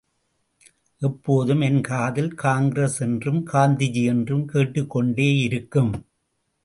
எப்போதும் என் காதில் காங்கிரஸ் என்றும் காந்திஜி என்றும் கேட்டுக்கொண்டேயிருக்கும்.